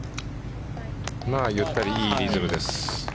ゆったりいいリズムです。